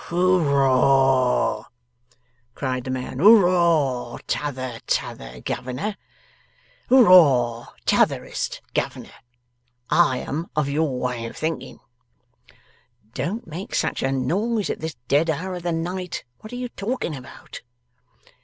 'Hooroar!' cried the man. 'Hooroar T'other t'other Governor. Hooroar T'otherest Governor! I am of your way of thinkin'.' 'Don't make such a noise at this dead hour of the night. What are you talking about?